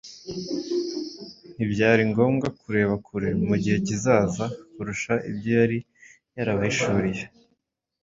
ntibyari ngombwa kureba kure mu gihe kizaza kurusha ibyo yari yarabahishuriye.